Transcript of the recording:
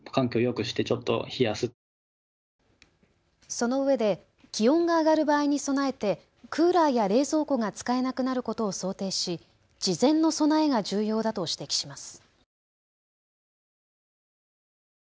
そのうえで気温が上がる場合に備えてクーラーや冷蔵庫が使えなくなることを想定し事前の備えが重要だと指摘します。